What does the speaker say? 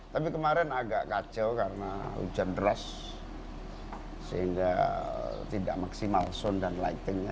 tapi kemarin agak kacau karena hujan deras sehingga tidak maksimal sound dan lightingnya